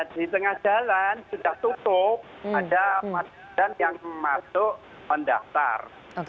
di tengah jalan sudah tutup adan yang masuk mendaftar